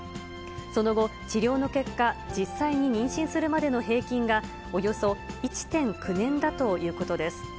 その後、治療の結果、実際に妊娠するまでの平均が、およそ１．９年だということです。